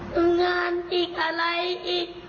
ทำงานอีกอะไรอีก